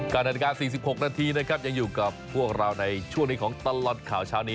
นาฬิกา๔๖นาทีนะครับยังอยู่กับพวกเราในช่วงนี้ของตลอดข่าวเช้านี้